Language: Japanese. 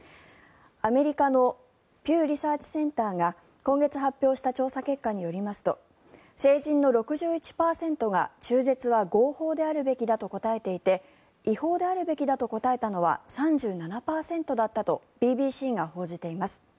アメリカのピュー・リサーチ・センターが今月発表した調査結果によりますと成人の６１％が中絶は合法であるべきだと答えていて違法であるべきだと答えたのは３７％だったとＢＢＣが報じています。